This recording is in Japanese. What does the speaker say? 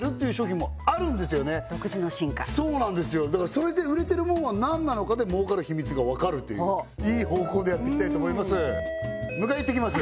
それで売れてるもんは何なのかで儲かる秘密がわかるといういい方向でやってきたいと思います迎えいってきます